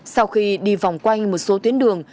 sau khi đi vòng quanh một số tuyến đường